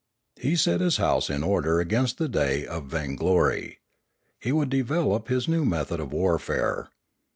He set his house in order against the day of vainglory. He would develop his new method of warfare.